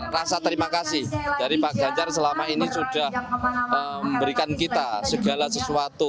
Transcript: rasa terima kasih dari pak ganjar selama ini sudah memberikan kita segala sesuatu